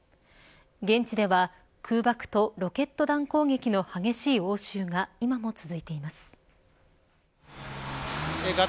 現地では空爆とロケット弾攻撃の激しい応酬が今も続いています。